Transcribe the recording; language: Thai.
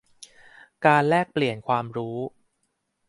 การแลกเปลี่ยนความรู้